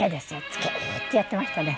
「突けー！」ってやってましたね。